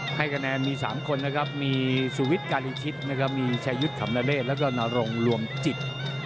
ให้คะแนนมี๓คนนะครับมีสุวิทย์การิชิตนะครับมีชายุทธ์ขำนเดชแล้วก็นรงรวมจิต